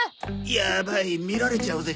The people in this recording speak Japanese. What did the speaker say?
やばい見られちゃうぜ。